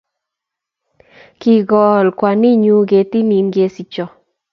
kikor kwanit nyu ketit nin kesicho